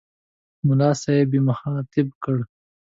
ملا صاحب یې مخاطب کړ.